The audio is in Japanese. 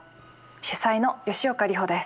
主宰の吉岡里帆です。